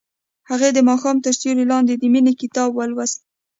هغې د ماښام تر سیوري لاندې د مینې کتاب ولوست.